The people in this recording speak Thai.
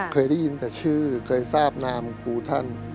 เคยได้ยินแต่ชื่อเคยทราบนามครูท่าน